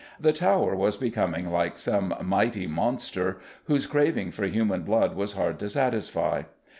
The Tower was becoming like some mighty monster whose craving for human blood was hard to satisfy.